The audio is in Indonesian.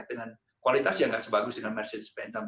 dengan kualitas yang tidak sebagus dengan mercedes benz